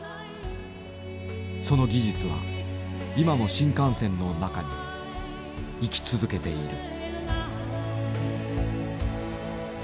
その技術は今も新幹線の中に生き続けている。